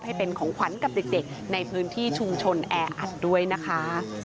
ให้เป็นของขวัญกับเด็กในพื้นที่ชุมชนแออัดด้วยนะคะ